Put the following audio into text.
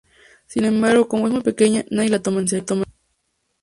Sin embargo, como es muy pequeña, nadie la toma en serio.